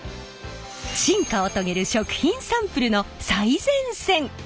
進化を遂げる食品サンプルの最前線。